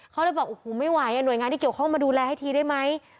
เขาเลยบอกโอ้โหไม่ไหวหน่วยงานที่เกี่ยวข้องมาดูแลให้ทีได้ไหม